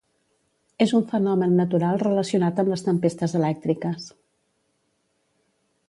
És un fenomen natural relacionat amb les tempestes elèctriques.